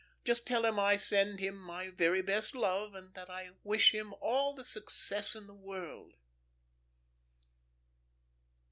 Just tell him I send him my very best love, and that I wish him all the success in the world."